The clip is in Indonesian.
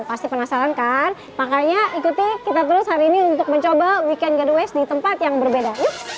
pasti penasaran kan makanya ikuti kita terus hari ini untuk mencoba weekend gateways di tempat yang berbeda